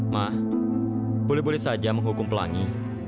mah boleh boleh saja menghukum pelangi